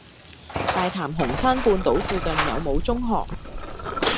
大潭紅山半島附近有無中學？